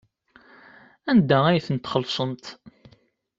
Anda ay tent-txellṣemt?